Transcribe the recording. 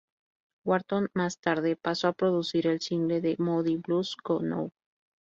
Wharton más tarde pasó a producir el single de The Moody Blues "Go Now".